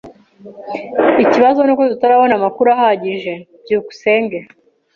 Ikibazo nuko tutarabona amakuru ahagije. byukusenge